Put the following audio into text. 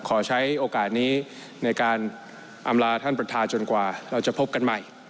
ขอใช้โอกาสนี้ในการอำลาท่านประธานจนกว่าเราจะพบกันใหม่